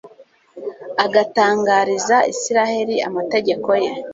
agatangariza Israheli amategeko ye